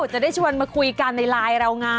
จะได้ชวนมาคุยกันในไลน์เราไง